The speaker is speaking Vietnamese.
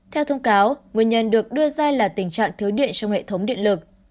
theo thông cáo nguyên nhân được đưa ra là tình trạng thiếu điện trong hệ thống điện lực